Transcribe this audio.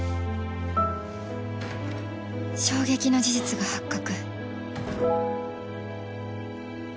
衝撃の事実が発覚